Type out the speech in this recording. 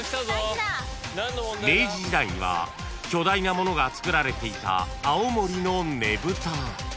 ［明治時代には巨大なものがつくられていた青森のねぶた］